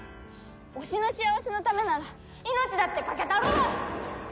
推しの幸せのためなら命だってかけたるわ！